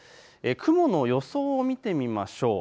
雲の予想を見てみましょう。